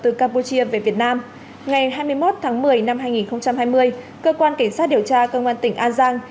từ campuchia về việt nam ngày hai mươi một tháng một mươi năm hai nghìn hai mươi cơ quan cảnh sát điều tra công an tỉnh an giang